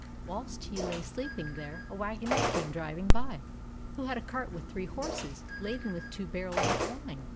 Whilst he lay sleeping there, a waggoner came driving by, who had a cart with three horses, laden with two barrels of wine.